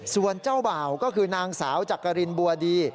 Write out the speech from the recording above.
ส่วนเจ้าบ่าวก็คือนางสาวจักรินบัวดี